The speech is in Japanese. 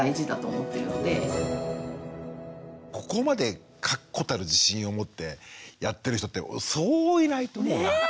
そのため一方でここまで確固たる自信を持ってやってる人ってそういないと思うな。